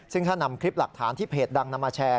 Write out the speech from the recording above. ซึ่งถ้านำคลิปหลักฐานที่เพจดังนำมาแชร์